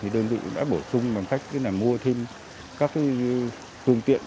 đơn vị đã bổ sung bằng cách mua thêm các thương tiện